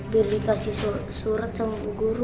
biar dikasih surat sama guru